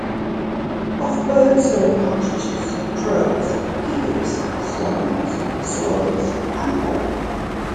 Of birds there are: partridges, crows, eagles, starlings, swallows and more.